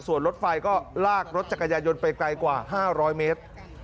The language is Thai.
ส่วนรถไฟก็ลากรถจักรยายนไปไกลกว่า๕๐๐เมตร